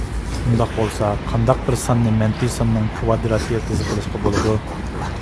ئۇنداق بولسا، قانداق بىر ساننى مەنپىي ساننىڭ كىۋادرات يىلتىزى قىلىشقا بولىدۇ؟